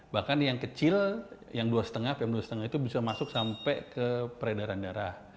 bahkan yang kecil yang dua lima pm dua lima itu bisa masuk sampai ke peredaran darah